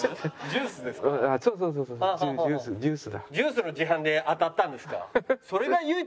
ジュースの自販で当たったんですか？